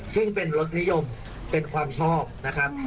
ซึ่งเป็นรสนิยมเป็นความชอบนะครับ